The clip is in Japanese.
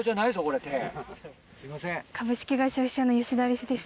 俺手すいません。